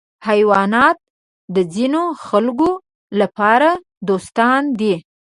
حیوانات د ځینو خلکو لپاره دوستان دي.